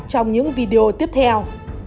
trong những video tiếp theo